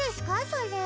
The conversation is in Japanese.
それ。